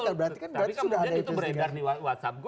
tapi mungkin itu beredar di whatsapp group